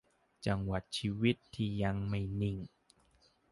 จังหวะชีวิตที่ยังไม่นิ่ง